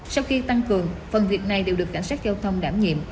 sau khi tăng cường phần việc này đều được cảnh sát giao thông đảm nhiệm